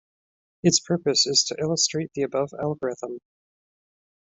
Its purpose is to illustrate the above algorithm.